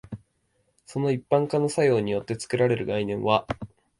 その一般化の作用によって作られる概念は、